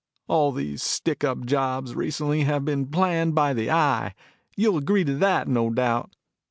All these stick up jobs recently have been planned by the Eye. You'll agree to that, no doubt.